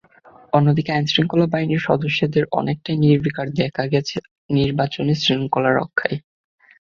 অন্যদিকে আইনশৃঙ্খলা বাহিনীর সদস্যদের অনেকটাই নির্বিকার দেখা গেছে নির্বাচনী শৃঙ্খলা রক্ষায়।